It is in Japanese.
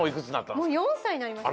もう４さいになりました。